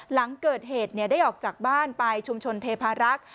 หลังเกิดเหตุได้ออกจากบ้านไปชุมชนเทพารักษ์